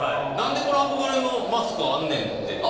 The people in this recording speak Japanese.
なんでこの憧れのマスクあんねんって。